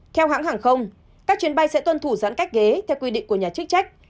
theo hãng hàng không các chuyến bay sẽ tuân thủ giãn cách ghế theo quy định của nhà chức trách